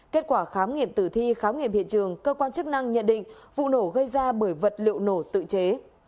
kết quả khám nghiệm tử thi khám nghiệm hiện trường cơ quan chức năng nhận định vụ nổ gây ra bởi vật liệu nổ tự chế